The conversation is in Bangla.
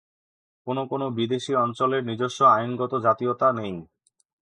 কোনো কোনো বিদেশি অঞ্চলের নিজস্ব আইনগত জাতীয়তা নেই।